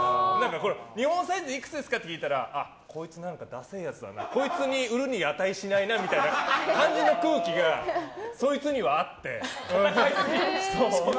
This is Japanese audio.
日本サイズでいくつですかって聞いたらこいつ、だせえやつだなこいつに売るに値しないなみたいな空気がそいつにはあって。